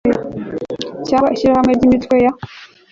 cyangwa Ishyirahamwe ry Imitwe ya